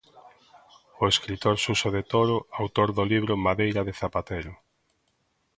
O escritor Suso de Toro, autor do libro "Madeira de Zapatero".